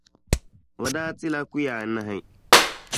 O daa ti ti la kuya anahi.